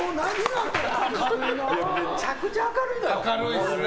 むちゃくちゃ明るいのよ。